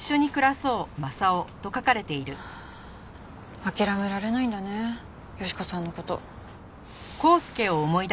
諦められないんだね良子さんの事。